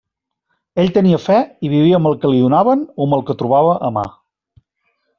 Ell tenia fe i vivia amb el que li donaven o amb el que trobava a mà.